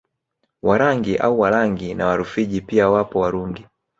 Warangi au Walangi na Warufiji pia wapo Warungi